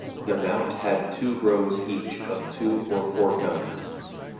The mount had two rows each of two or four guns.